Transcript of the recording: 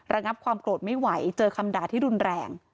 ระงับความโกรธไม่ไหวเจอคำด่าที่รุนแรง